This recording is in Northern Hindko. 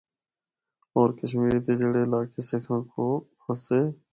ہور کشمیر دے جڑے علاقے سکھاں کو کھسّے۔